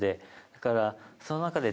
だからその中で。